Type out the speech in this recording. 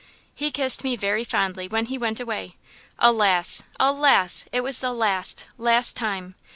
He kissed me very fondly when he went away. Alas! alas! it was the last–last time!